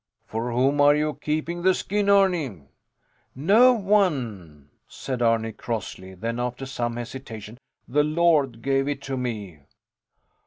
For whom are you keeping the skin, Arni? No one, said Arni, crossly; then after some hesitation: The Lord gave it to me.